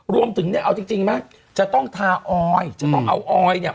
รวมถึงเนี่ยเอาจริงจริงไหมจะต้องทาออยจะต้องเอาออยเนี่ย